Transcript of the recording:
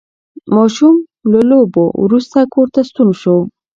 ماشوم له لوبو وروسته کور ته ستون شو